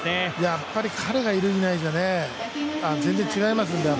やっぱり彼がいる、いないじゃ全然違いますからね。